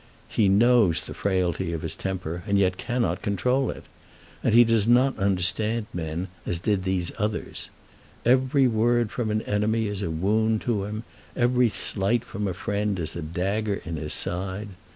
He knows the frailty of his temper, and yet cannot control it. And he does not understand men as did these others. Every word from an enemy is a wound to him. Every slight from a friend is a dagger in his side.